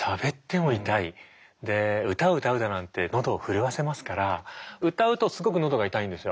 で歌を歌うだなんて喉を震わせますから歌うとすごく喉が痛いんですよ。